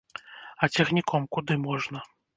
А цягніком куды можна?